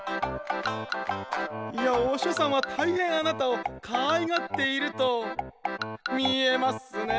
「御師匠さんは大変あなたを可愛がっていると見えますね」